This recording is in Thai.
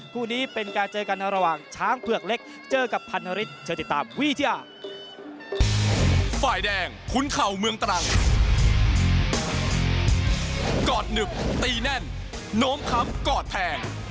คู่นี้เป็นการเจอกันระหว่างช้างเผือกเล็กเจอกับพันนฤทธิเชิญติดตามวิทยาฝ่าย